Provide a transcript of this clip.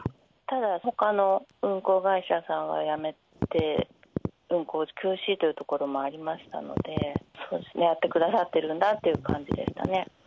ただ、ほかの運航会社さんはやめて、運航休止というところもありましたので、やってくださってるんだという感じでしたね。